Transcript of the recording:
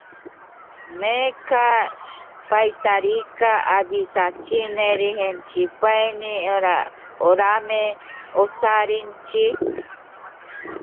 Ahora creo que pasará a mediados del próximo año" contó Lloyd.